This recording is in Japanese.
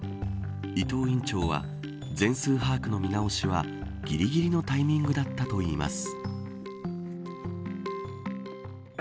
伊藤院長は全数把握の見直しはぎりぎりのタイミングだったといいます。